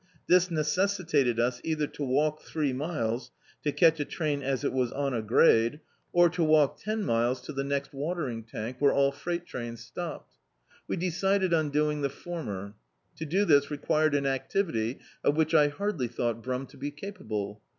This necessitated us either to walk three miles to catch a train as it was on a grade, or to walk ten D,i.,.db, Google The Autobiography of a Super Tramp miles to the next watering tank, where all frei^t trains stopped. We decided on doing the former. To do this required an activity of which I hardly thought Brum to be capable.